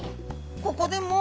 ここでもう。